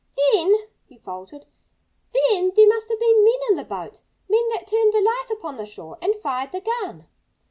"Then " he faltered "then there must have been men in the boat men that turned the light upon the shore and fired the gun!"